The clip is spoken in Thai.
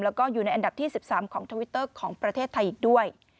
แล้วก็อยู่ในอันดับที่๑๓ของทวิตเตอร์ของประเทศไทยอีกด้วย